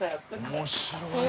面白いね。